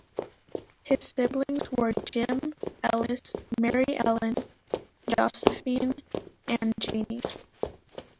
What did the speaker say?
His siblings were Jim, Ellis, Mary Ellen, Josephine and Janie.